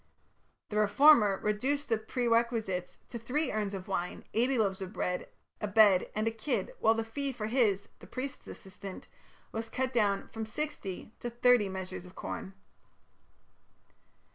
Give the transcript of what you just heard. The reformer reduced the perquisites to "three urns of wine, eighty loaves of bread, a bed, and a kid, while the fee of his (the priest's) assistant was cut down from sixty to thirty measures of corn".